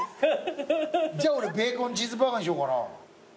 じゃあ俺ベーコンチーズバーガーにしようかな。